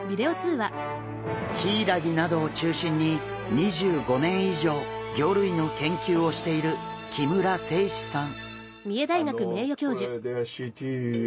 ヒイラギなどを中心に２５年以上魚類の研究をしている木村清志さん。